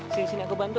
sini sini aku bantu